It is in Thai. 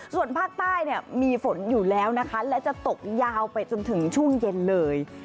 ส่วนภาคใต้เนี่ยมีฝนอยู่แล้วนะคะและจะตกยาวไปจนถึงช่วงเย็นเลย